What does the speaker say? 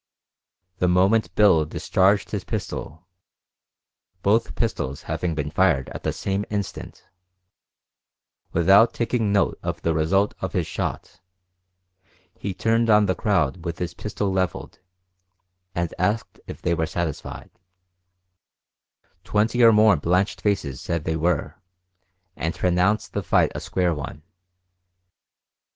The moment Bill discharged his pistol both pistols having been fired at the same instant without taking note of the result of his shot, he turned on the crowd with his pistol leveled, and asked if they were satisfied; twenty or more blanched faces said they were, and pronounced the fight a square one.